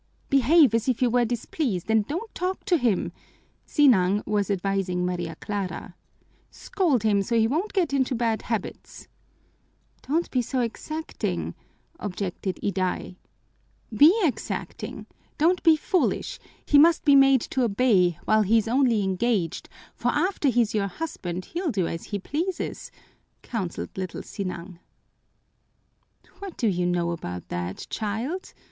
"Behave as if you were displeased and don't talk to him," Sinang was advising Maria Clara. "Scold him so he won't get into bad habits." "Don't be so exacting," objected Iday. "Be exacting! Don't be foolish! He must be made to obey while he's only engaged, for after he's your husband he'll do as he pleases," counseled little Sinang. "What do you know about that, child?"